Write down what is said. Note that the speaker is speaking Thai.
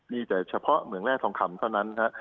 นี่จะเฉพาะเหมืองแร่ทองคำเท่านั้นนะฮะ